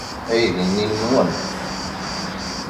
Aydi-nni nwen.